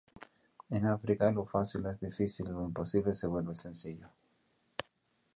En África lo fácil es difícil, y lo imposible se vuelve sencillo.